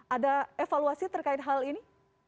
ada evaluasi terkait hal ini